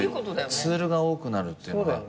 ツールが多くなるっていうのは。